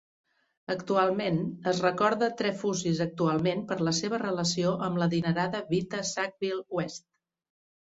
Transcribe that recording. Actualment, es recorda Trefusis actualment per la seva relació amb l'adinerada Vita Sackville-West.